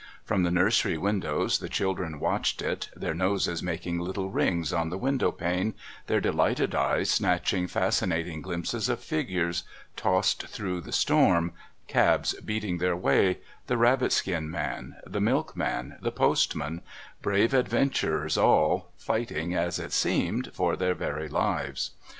From the nursery windows the children watched it, their noses making little rings on the window pane, their delighted eyes snatching fascinating glimpses of figures tossed through the storm, cabs beating their way, the rabbit skin man, the milkman, the postman, brave adventurers all, fighting, as it seemed, for their very lives.